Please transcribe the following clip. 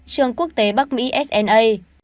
trường quốc tế bắc mỹ